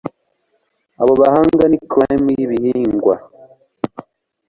Abo bahanga ni cream yibihingwa